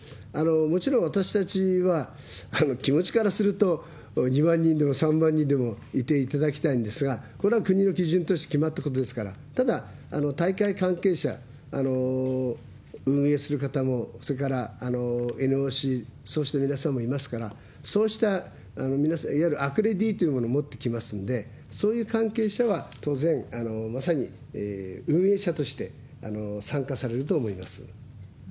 もちろん私たちは気持ちからすると２万人でも３万人でもいていただきたいんですが、これは国の基準として決まったことですから、ただ、大会関係者、運営する方も、それからＮＯＣ、そうした皆さんもいますから、そうした皆さん、いわゆるアクレディーというものを持ってきますんで、そういう関係者は当然まさに運営者として参加されると思います。